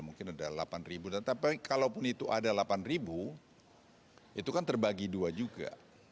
mungkin ada delapan ribu tapi kalaupun itu ada delapan ribu itu kan terbagi dua juga